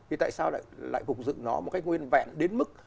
thì tại sao lại phục dựng nó một cách nguyên vẹn đến mức